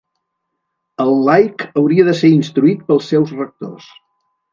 El laic hauria de ser instruït pels seus rectors.